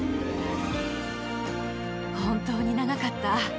本当に長かった。